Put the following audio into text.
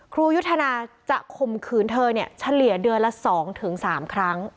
ครูยุทธนาจะข่มขืนเธอเนี่ยเฉลี่ยเดือนละ๒๓ครั้ง